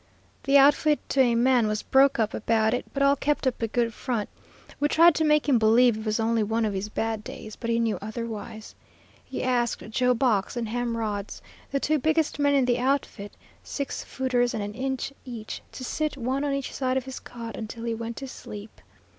The outfit to a man was broke up about it, but all kept up a good front. We tried to make him believe it was only one of his bad days, but he knew otherwise. He asked Joe Box and Ham Rhodes, the two biggest men in the outfit, six footers and an inch each, to sit one on each side of his cot until he went to sleep.